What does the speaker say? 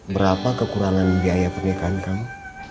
berapa kekurangan biaya pernikahan kamu